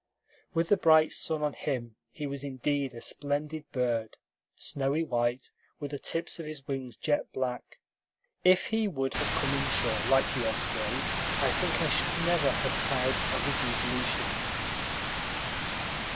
With the bright sun on him, he was indeed a splendid bird, snowy white, with the tips of his wings jet black. If he would have come inshore like the ospreys, I think I should never have tired of his evolutions.